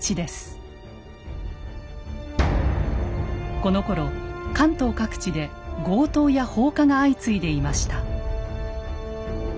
このころ関東各地で強盗や放火が相次いでいました。